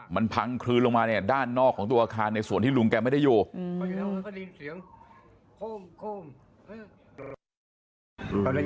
มันพังคลืนลงมาเนี่ยด้านนอกของตัวอาคารในส่วนที่ลุงแกไม่ได้อยู่